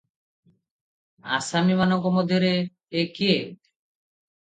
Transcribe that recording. ଆସାମୀମାନଙ୍କ ମଧ୍ୟରେ ଏ କିଏ?